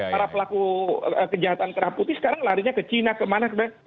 para pelaku kejahatan kerah putih sekarang larinya ke cina ke mana ke mana